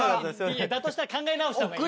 だとしたら考え直したほうがいい。